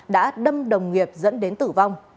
đã đâm đồng nghiệp dẫn đến tử vong